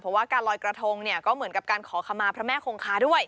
เพราะว่าการลอยกระทงเนี่ยก็เหมือนกับการขอขมาพระแม่คงคาด้วย